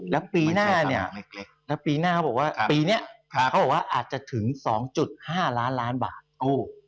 แล้วปีหน้าเขาบอกว่าปีนี้อาจจะถึง๒๕ล้านบาท